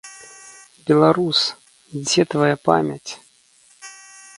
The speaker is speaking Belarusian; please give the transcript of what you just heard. Беларус, дзе твая памяць?!